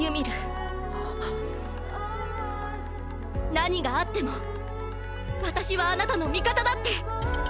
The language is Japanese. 何があっても私はあなたの味方だって！